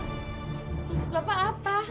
lu selapa apa